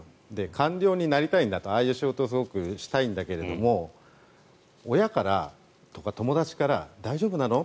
官僚になりたいんだとああいう仕事すごくしたいんだけど親からとか友達から大丈夫なの？